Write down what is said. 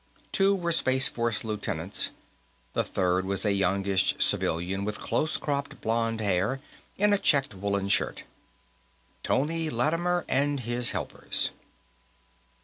Two were Space Force lieutenants; the third was a youngish civilian with close cropped blond hair, in a checked woolen shirt. Tony Lattimer and his helpers.